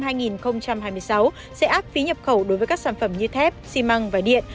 liên minh châu âu sẽ áp phí nhập khẩu đối với các sản phẩm như thép xi măng và điện